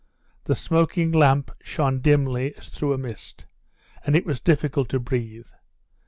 The smoking lamp shone dimly as through a mist, and it was difficult to breathe.